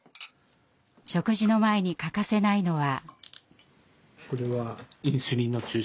食事の前に欠かせないのは。